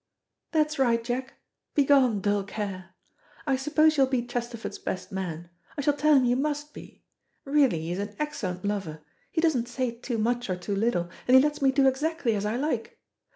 "That's right, Jack, begone, dull care. I suppose you'll be Chesterford's best man. I shall tell him you must be. Really he is an excellent lover; he doesn't say too much or too little, and he lets me do exactly as I like.